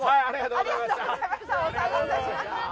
ありがとうございます。